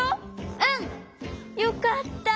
うん！よかった！